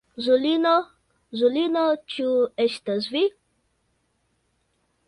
Juliino, ĉu estas vi?